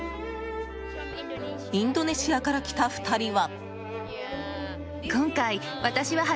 インドネシアから来た２人は。